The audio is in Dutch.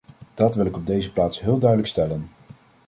Dat wil ik op deze plaats heel duidelijk stellen!